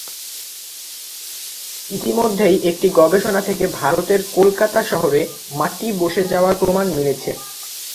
ইতোমধ্যেই একটি গবেষণা থেকে ভারতের কলকাতা শহরে, মাটি বসে যাওয়ার প্রমাণ মিলেছে।